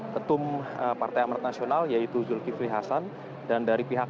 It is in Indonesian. ketum partai amarat nasional yaitu zulkifli hasan dan dari pihak